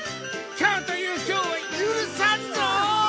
今日という今日は許さんぞ！